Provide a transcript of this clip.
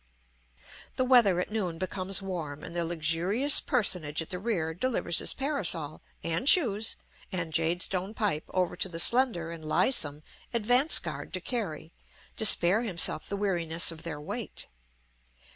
The weather at noon becomes warm, and the luxurious personage at the rear delivers his parasol, and shoes, and jade stone pipe over to the slender and lissom advance guard to carry, to spare himself the weariness of their weight.